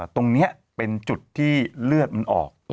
ตรงนี้เป็นจุดที่เลือดมันออก